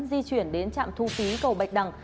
di chuyển đến trạm thu phí cầu bạch đằng